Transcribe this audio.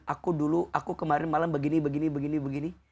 aku kemarin malam begini begini begini